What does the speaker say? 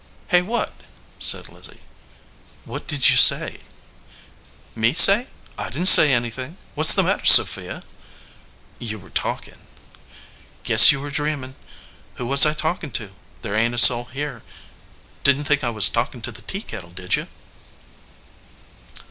"Hey what?" said Lizzie. "What did you say?" "Me say? I didn t say anything. What s the matter, Sophia?" "You were talkin ." "Guess you were dreamin . Who was I talkin to? There ain t a soul here. Didn t think I was talkin to the teakettle, did you?"